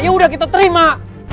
yaudah kita terima